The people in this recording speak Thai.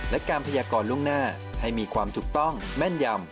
และการพยากรล่วงหน้าให้มีความถูกต้องแม่นยำ